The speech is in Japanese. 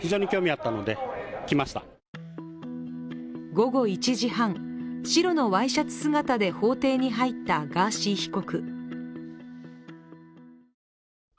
午後１時半、白のワイシャツ姿で法廷に入ったガーシー被告。